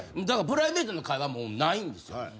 だからプライベートの会話もうないんですよ。